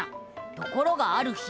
ところがある日。